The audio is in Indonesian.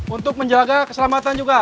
untuk menjaga keselamatan juga